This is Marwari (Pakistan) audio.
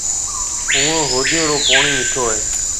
اُوئون هوديون رو پوڻِي مِٺو هيَ۔